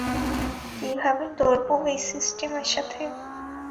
কিভাবে লড়বো এই সিস্টেমের সাথে?